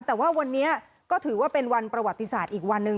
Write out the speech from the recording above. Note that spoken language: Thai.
แต่ว่าวันนี้ก็ถือว่าเป็นวันประวัติศาสตร์อีกวันหนึ่ง